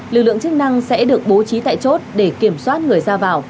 lực lượng chức năng sẽ được bố trí tại chốt để kiểm soát người ra vào